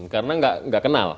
karena tidak kenal